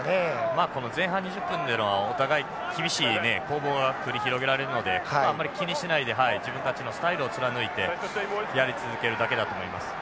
まあこの前半２０分というのはお互い厳しい攻防が繰り広げられるのであんまり気にしないで自分たちのスタイルを貫いてやり続けるだけだと思います。